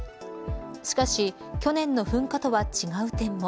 しかし去年の噴火とは違う点も。